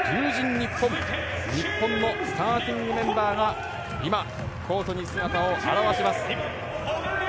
ニッポン日本のスターティングメンバーが今、コートに姿を現します。